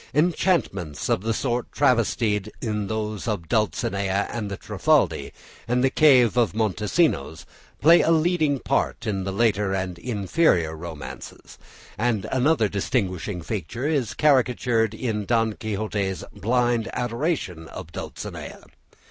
Enchantments of the sort travestied in those of Dulcinea and the Trifaldi and the cave of Montesinos play a leading part in the later and inferior romances, and another distinguishing feature is caricatured in Don Quixote's blind adoration of Dulcinea.